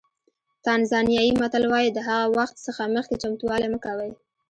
تانزانیایي متل وایي د وخت څخه مخکې چمتووالی مه کوئ.